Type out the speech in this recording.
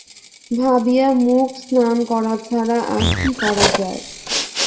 ভাবিয়া মুখ স্নান করা ছাড়া আর কী করা যায়?